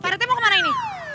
pak retta mau kemana ini